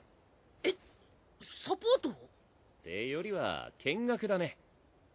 えっサポート？ってよりは見学だね。